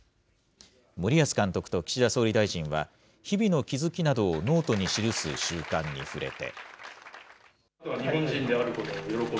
森保監督と岸田総理大臣は、日々の気付きなどをノートに記す習慣に触れて。